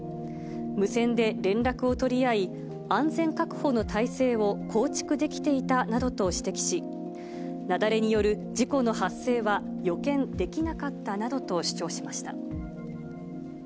無線で連絡を取り合い、安全確保の体制を構築できていたなどと指摘し、雪崩による事故の発生は予見できなかったなどと主張しました。